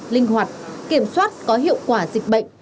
linh hoạt kiểm soát có hiệu quả dịch bệnh